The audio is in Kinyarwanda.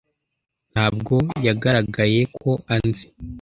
Ntabwo yagaragaye ko anzi.